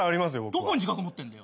どこに自覚持ってんだよ？